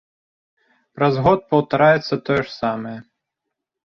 Праз год паўтараецца тое ж самае.